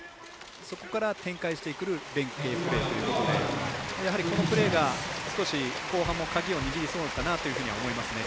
そこから展開してくる連係プレーということでやはり、このプレーが少し後半も鍵を握りそうかなと思いますね。